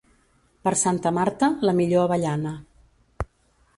Per Santa Marta, la millor avellana.